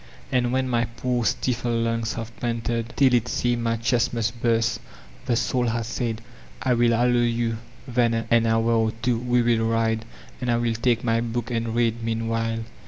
And when my 45^ VOLTAIRINE DE ClEYBB poor, stifled lungs have panted till it seemed mjr dicst must burst, the Soul has said, "I will allow you, then, an hour or two; we will ride, and I will take my book and read meanwhile.''